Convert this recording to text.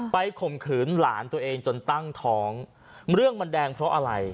ข่มขืนหลานตัวเองจนตั้งท้องเรื่องมันแดงเพราะอะไร